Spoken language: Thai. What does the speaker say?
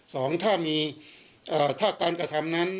สองถ้ามีถ้าการกระทำนั้น